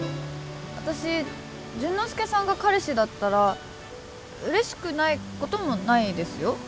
私潤之介さんが彼氏だったら嬉しくないこともないですよ